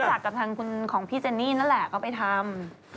เขาก็รู้จักของพี่เจนนี่นั่นแหละก็ไปทำ